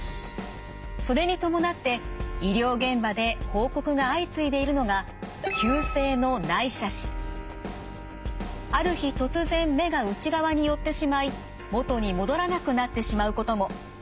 それに伴って医療現場で報告が相次いでいるのがある日突然目が内側に寄ってしまい元に戻らなくなってしまうことも。